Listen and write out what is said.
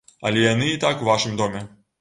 Але яны і так у вашым доме.